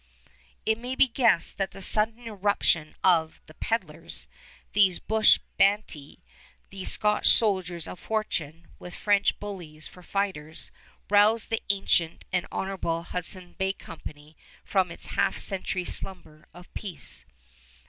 It may be guessed that the sudden eruption of "the peddlers," these bush banditti, these Scotch soldiers of fortune with French bullies for fighters, roused the ancient and honorable Hudson's Bay Company from its half century slumber of peace.